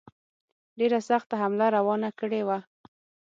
ډېره سخته حمله روانه کړې وه.